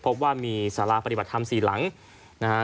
พบว่ามีสาราปฏิบัติธรรมสี่หลังนะฮะ